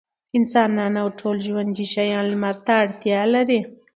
انسانان او ټول ژوندي شيان لمر ته اړتيا لري.